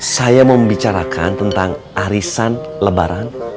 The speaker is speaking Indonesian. saya mau membicarakan tentang harisan lebaran